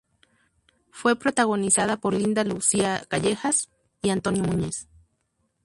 Fue protagonizada por Linda Lucía Callejas y Antonio Muñiz.